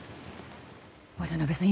渡辺さん